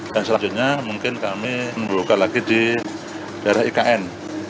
dan selanjutnya mungkin kami membuka lagi di daerah ikn